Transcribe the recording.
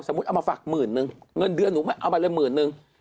เอามาฝากหมื่นนึงเงินเดือนหนูไม่เอาไปเลยหมื่นนึง